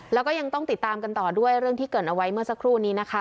แล้วก็ยังต้องติดตามกันต่อด้วยเรื่องที่เกิดเอาไว้เมื่อสักครู่นี้นะคะ